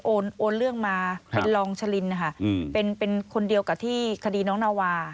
โอนเรื่องมาเป็นรองชะลินนะคะเป็นคนเดียวกับที่คดีน้องนาวา